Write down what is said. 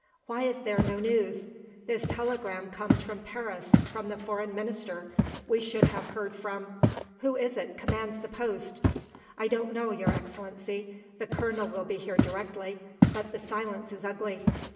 Why is there no news? This telegram comes from Paris, from the Foreign Minister. We should have heard from who is it commands the post?" "I don't know, Your Excellency. The Colonel will be here directly; but the silence is ugly."